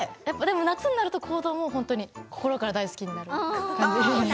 夏になると行動も心から大好きになります。